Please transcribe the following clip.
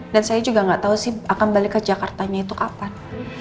dan saya juga enggak tahu sih akan balik ke jakartanya itu kapan